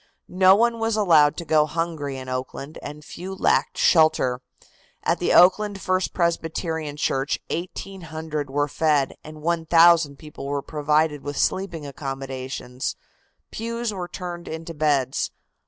No one was allowed to go hungry in Oakland and few lacked shelter. At the Oakland First Presbyterian Church 1,800 were fed and 1,000 people were provided with sleeping accommodations. Pews were turned into beds.